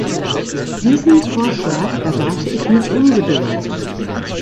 Diesen Vorschlag erwarte ich mit Ungeduld.